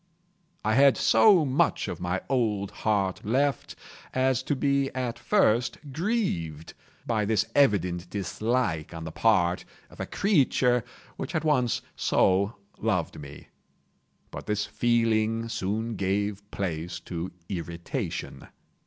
I had so much of my old heart left, as to be at first grieved by this evident dislike on the part of a creature which had once so loved me. But this feeling soon gave place to irritation.